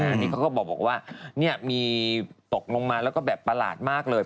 อันนี้เขาก็บอกว่ามีตกลงมาแล้วก็แบบประหลาดมากเลย